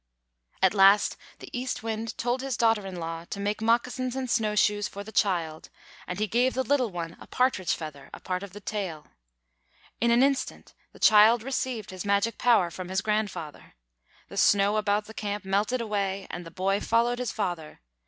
At last the East Wind told his daughter in law to make moccasins and snowshoes for the child, and he gave the little one a partridge feather, a part of the tail. In an instant, the child received his magic power from his grandfather. The snow about the camp melted away, and the boy followed his father.